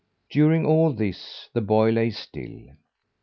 During all this, the boy lay still.